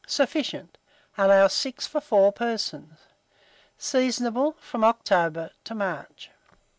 Sufficient. Allow 6 for 4 persons. Seasonable from October to March.